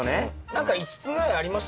何か５つぐらいありましたよね。